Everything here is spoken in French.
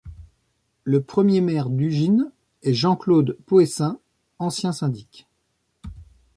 Le premier maire d'Ugine est Jean-Claude Poëcin, ancien syndic.